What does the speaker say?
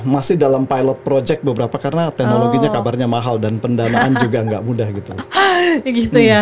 masih dalam pilot project beberapa karena teknologinya kabarnya mahal dan pendanaan juga nggak mudah gitu